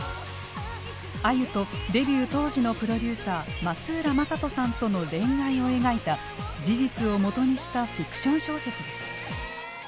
あゆとデビュー当時のプロデューサー松浦勝人さんとの恋愛を描いた事実を基にしたフィクション小説です。